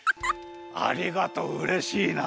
ありがとううれしいな。